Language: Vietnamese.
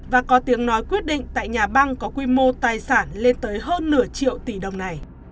và có tiếng nói quyết định tại nhà băng có quy mô tài sản lên tới hơn nửa triệu tỷ đồng này